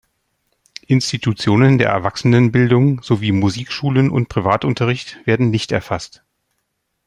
Institutionen der Erwachsenenbildung sowie Musikschulen und Privatunterricht werden nicht erfasst.